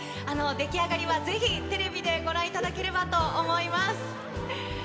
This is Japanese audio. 出来上がりはぜひ、テレビでご覧いただければと思います。